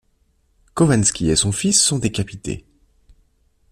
Khovansky et son fils sont décapités.